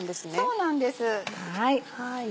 そうなんです。